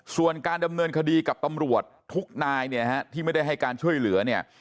ส่วนการดำเนินคดีกับตำรวจทุกนายเนี่ยฮะที่ไม่ได้ให้การช่วยเหลือเนี่ย